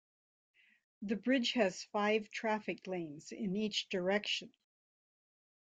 The bridge has five traffic lanes in each direction.